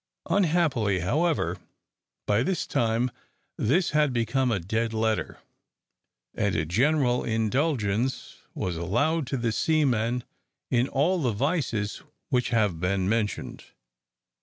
Unhappily, however, by this time this had become a dead letter; and a general indulgence was allowed to the seamen in all the vices which have been mentioned.